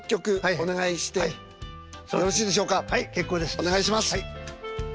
お願いします。